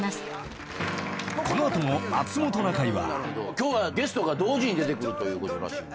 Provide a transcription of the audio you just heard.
今日はゲストが同時に出てくるということらしい。